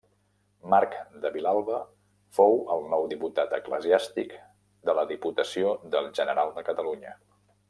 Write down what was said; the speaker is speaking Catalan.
Marc de Vilalba fou el nou diputat eclesiàstic de la Diputació del General de Catalunya.